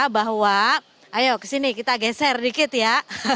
bahwa ayo ke sini kita geser dikit ya